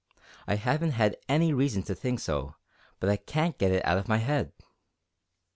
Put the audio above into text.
I haven't had any reason to think so, but I can't get it out of my head."